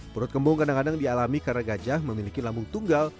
perut kembung kadang kadang dialami karena gajah memiliki lambung tunggal